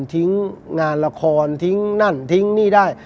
ทิ้งงานละครทิ้งนั่นทิ้งนี่ได้